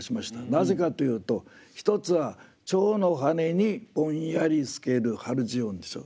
なぜかというと一つは「蝶の羽」に「ぼんやり透けるハルジオン」でしょ。